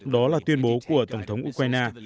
đó là tuyên bố của tổng thống ukraine